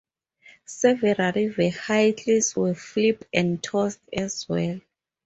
Several vehicles were flipped and tossed as well.